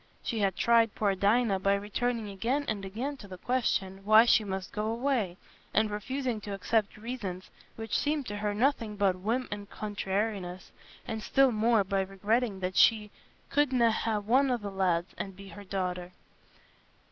She had tried poor Dinah by returning again and again to the question, why she must go away; and refusing to accept reasons, which seemed to her nothing but whim and "contrairiness"; and still more, by regretting that she "couldna' ha' one o' the lads" and be her daughter.